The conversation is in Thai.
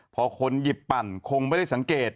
พอคนหยิบปั่นคงไม่ได้สังเกต